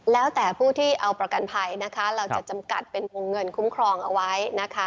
แล้วแต่ผู้ที่เอาประกันภัยนะคะเราจะจำกัดเป็นวงเงินคุ้มครองเอาไว้นะคะ